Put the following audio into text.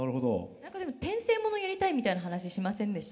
何か転生物やりたいみたいな話しませんでした？